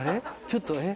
ちょっとえ？